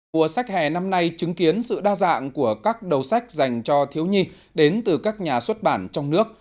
cuộc sách hè năm nay chứng kiến sự đa dạng của các đầu sách dành cho thiếu nhi đến từ các nhà xuất bản trong nước